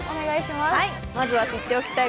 まずは知っておきたい